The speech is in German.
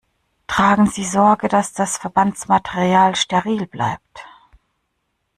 Tragen Sie Sorge, dass das Verbandsmaterial steril bleibt.